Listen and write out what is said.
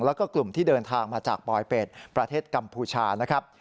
แล้วก็กลุ่มที่เดินทางมาจากปลอยเป็ดประเทศกัมพูชานะครับ